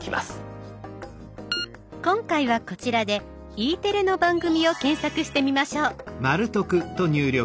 今回はこちらでＥテレの番組を検索してみましょう。